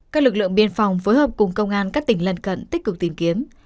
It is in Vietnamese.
các lực lượng biên phòng phối hợp cùng công an các tỉnh lân cận tích cực tìm kiếm